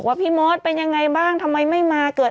ไม่มีใครทำอะไรมดดำได้ค่ะ